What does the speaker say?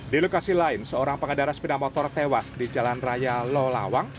di lokasi lain seorang pengendara sepeda motor tewas di jalan raya lolawang